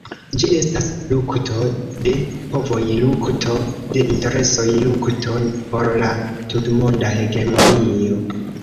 Ĝi estas lukto de povoj, lukto de interesoj, lukto por la tutmonda hegemonio.